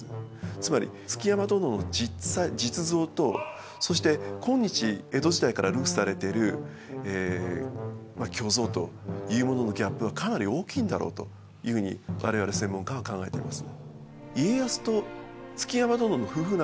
つまり築山殿の実像とそして今日江戸時代から流布されてるまあ虚像というもののギャップはかなり大きいんだろうというふうに我々専門家は考えています。